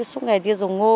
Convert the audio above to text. suốt ngày đi dùng ngô